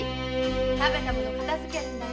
食べたもの片づけるんだよ。